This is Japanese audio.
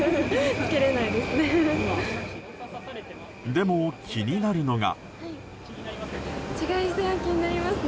でも、気になるのが。